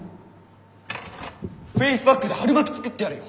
フェイスパックで春巻き作ってやるよ！